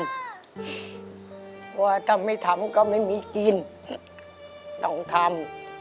เพราะว่าถ้าไม่ทำก็ไม่มีกินต้องทำ